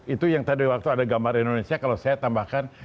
itu yang tadi waktu ada gambar indonesia kalau saya tambahkan